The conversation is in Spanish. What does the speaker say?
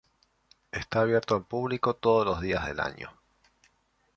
Está abierto al público todos los días del año.